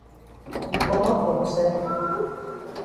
You komot for wusaid?